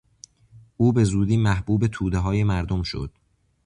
او به زودی محبوب تودههای مردم شد.